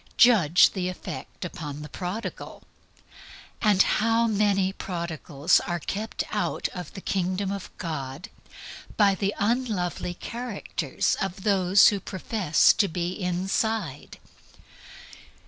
Judge of the effect upon the Prodigal and how many prodigals are kept out of the Kingdom of God by the unlovely character of those who profess to be inside.